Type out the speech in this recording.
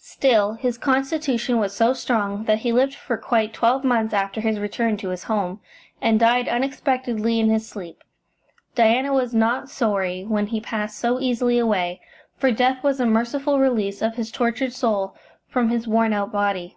Still, his constitution was so strong that he lived for quite twelve months after his return to his home, and died unexpectedly in his sleep. Diana was not sorry when he passed so easily away, for death was a merciful release of his tortured soul from his worn out body.